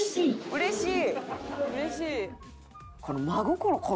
「うれしい！」